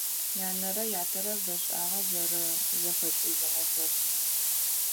Янэрэ ятэрэ бэшIагъэ зэрэзэхэкIыжьыгъэхэр.